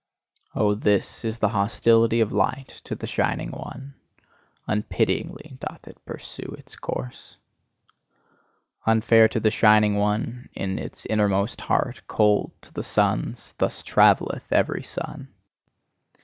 Oh, this is the hostility of light to the shining one: unpityingly doth it pursue its course. Unfair to the shining one in its innermost heart, cold to the suns: thus travelleth every sun.